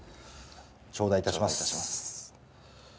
頂戴いたします。